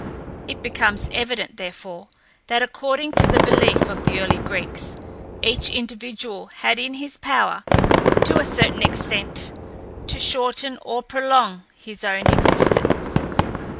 It becomes evident, therefore, that according to the belief of the early Greeks, each individual had it in his power, to a certain extent, to shorten or prolong his own existence.